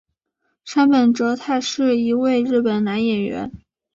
杉本哲太是一位日本男演员。